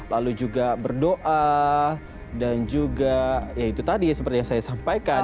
lalu juga berdoa dan juga ya itu tadi seperti yang saya sampaikan